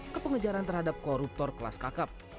kepengejaran terhadap koruptor kelas kakap